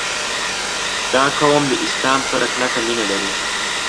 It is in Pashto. • دا قوم د اسلام سره کلکه مینه لري.